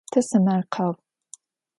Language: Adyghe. Tesemerkheu.